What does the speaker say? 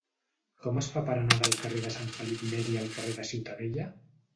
Com es fa per anar del carrer de Sant Felip Neri al carrer de Ciutadella?